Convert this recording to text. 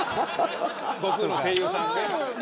悟空の声優さんね。